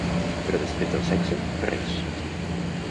Però després del sexe, res.